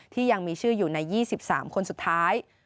ที่มีชื่ออยู่ใน๒๓คนสุดท้าย